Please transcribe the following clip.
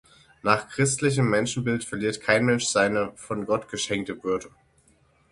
Nach christlichem Menschenbild verliert kein Mensch seine von Gott geschenkte Würde.